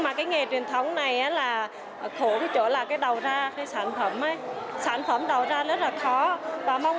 mà cái nghề truyền thống này là khổ cái chỗ là cái đầu ra cái sản phẩm sản phẩm đầu ra rất là khó và mong